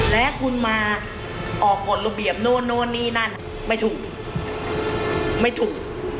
และคุณมาออกกฎระเบียบโน้นโน้นนี่นั่นไม่ถูกไม่ถูก